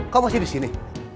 kau masih di sini